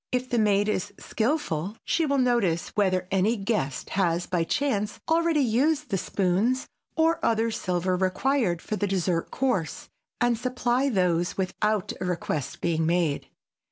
If the maid is skilful she will notice whether any guest has by chance already used the spoons or other silver required for the dessert course and supply those without a request being made.